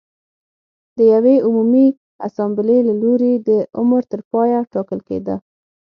د یوې عمومي اسامبلې له لوري د عمر تر پایه ټاکل کېده